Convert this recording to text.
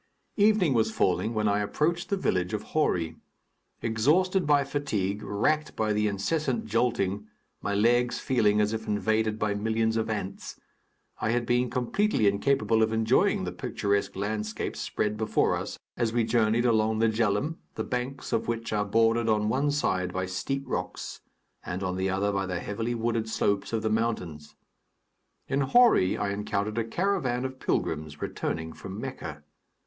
Evening was falling when I approached the village of Hori. Exhausted by fatigue; racked by the incessant jolting; my legs feeling as if invaded by millions of ants, I had been completely incapable of enjoying the picturesque landscape spread before us as we journeyed along the Djeloum, the banks of which are bordered on one side by steep rocks and on the other by the heavily wooded slopes of the mountains. In Hori I encountered a caravan of pilgrims returning from Mecca.